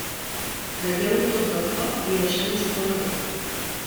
Traieu-ho tot del foc i deixeu-ho escórrer bé.